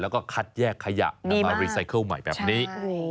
แล้วก็คัดแยกขยะกลับมารีไซเคิลใหม่แบบนี้